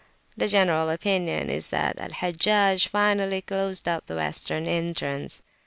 The general opinion is, that Al Hajjaj finally closed up the western entrance.